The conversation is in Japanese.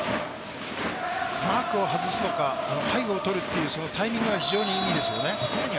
マークを外すところ、背後をとるっていうタイミングが非常にいいですよね。